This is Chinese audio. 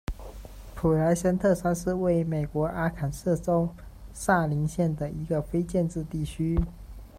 普莱森特山是位于美国阿肯色州萨林县的一个非建制地区。